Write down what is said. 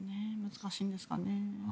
難しいんですかね。